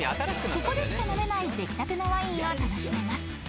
［ここでしか飲めない出来たてのワインを楽しめます］